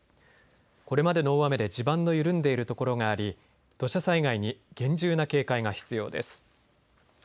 これまでの大雨で地盤の緩んでいるところがあり土砂災害に厳重な警戒が必要です。